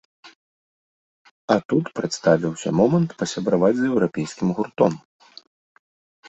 А тут прадставіўся момант пасябраваць з еўрапейскім гуртом.